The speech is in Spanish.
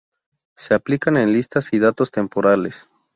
Se aplican en listas y datos temporales.